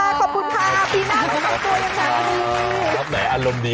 ขอบคุณค่ะปีหน้าต้องขอบคุณอย่างนั้นอ่ะดี